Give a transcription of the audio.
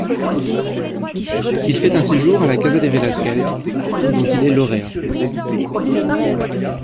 Il fait un séjour à la Casa de Velázquez dont il est lauréat.